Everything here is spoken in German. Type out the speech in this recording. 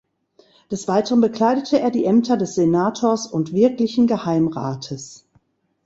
Des weiteren bekleidete er die Ämter des Senators und Wirklichen Geheimrates.